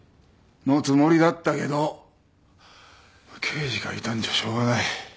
のつもりだったけど刑事がいたんじゃしょうがない。